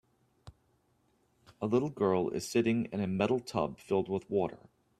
A little girl is sitting in a metal tub filled with water.